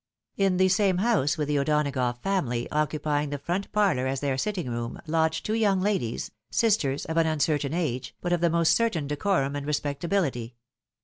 In the same house with the O'Donagough family, occupying the front parlour as their sitting room, lodged two young ladies, sisters, of an uncertain age, but of the most certain decorum and respectabiUty.